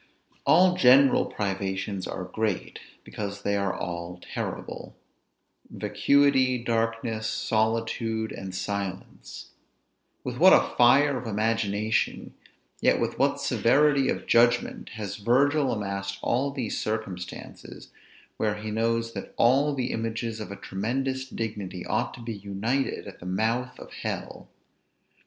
ALL general privations are great, because they are all terrible; vacuity, darkness, solitude, and silence. With what a fire of imagination, yet with what severity of judgment, has Virgil amassed all these circumstances, where he knows that all the images of a tremendous dignity ought to be united at the mouth of hell!